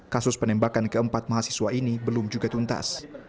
kasus penembakan keempat mahasiswa ini belum juga tuntas